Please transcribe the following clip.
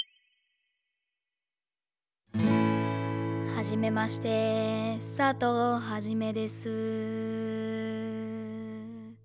「はじめまして佐藤はじめです」